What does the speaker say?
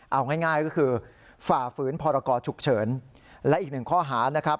เอาง่ายก็คือฝ่าฝืนพรกรฉุกเฉินและอีกหนึ่งข้อหานะครับ